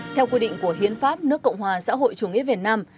theo quy định của hiến pháp nước cộng hòa xã hội chủ nghĩa việt nam